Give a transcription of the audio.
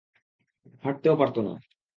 হাঁটতেও পারত না।